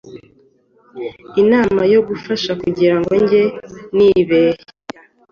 inama yo gufaha kugira ngo njye, nibehya